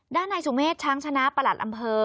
นายสุเมฆช้างชนะประหลัดอำเภอ